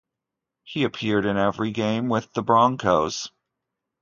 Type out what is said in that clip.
He appeared in every game with the Broncos.